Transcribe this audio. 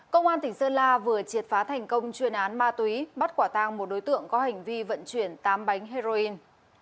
công an tỉnh sơn la vừa triệt phá thành công chuyên án ma túy bắt quả tang một đối tượng có hành vi vận chuyển tám bánh heroin